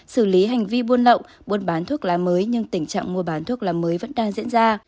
xử lý hành vi buôn lậu buôn bán thuốc lá mới nhưng tình trạng mua bán thuốc lá mới vẫn đang diễn ra